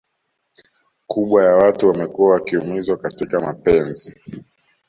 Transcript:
kubwa ya watu wamekua wakiumizwa katika mapenzi